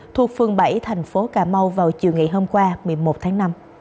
thuộc phương bảy thành phố cà mau vào chiều ngày hôm qua một mươi một tháng năm